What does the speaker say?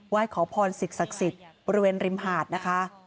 ไหว้ขอพรศิษย์ศักดิ์ศิษย์บริเวณริมหาดนะคะ